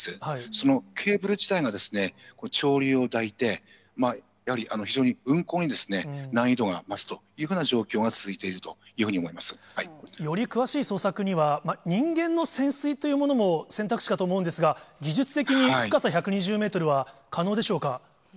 そのケーブル自体がですね、潮流を抱いて、やはり非常に運航に難易度が増すというふうな状況が続いているとより詳しい捜索には、人間の潜水というものも選択肢かと思うんですが、技術的に深さ１２０メートルは可能でしょうか。